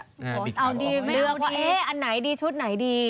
เอาดีไม่เอาดีเลือกว่าอันไหนดีชุดไหนดี